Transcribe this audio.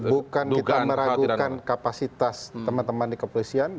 bukan kita meragukan kapasitas teman teman di kepolisian